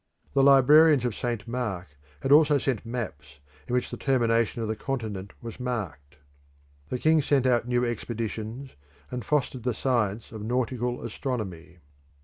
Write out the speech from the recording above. The librarians of St. Mark had also sent maps in which the termination of the continent was marked. The king sent out new expeditions and fostered the science of nautical astronomy.